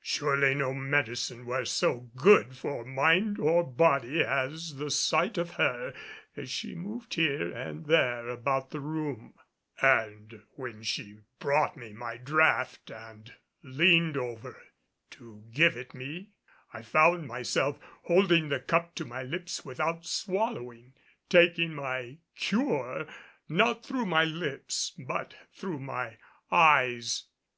Surely no medicine were so good for mind or body as the sight of her as she moved here and there about the room; and when she brought me my draught and leaned over to give it me, I found myself holding the cup to my lips without swallowing, taking my cure not through my lips but through my eyes.